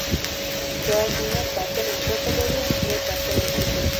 ګاز نه ټاکلی شکل لري نه ټاکلی حجم.